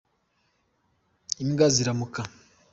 imbwa ziramuka.